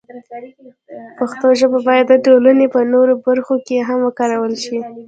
پښتو ژبه باید د ټولنې په نورو برخو کې هم وکارول شي.